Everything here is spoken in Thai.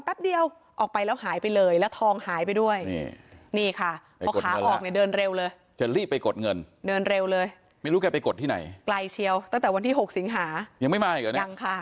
แป๊บเดียวออกไปแล้วหายไปเลยแล้วทองหายไปด้วยนี่ค่ะพอขาออกเนี่ยเดินเร็วเลย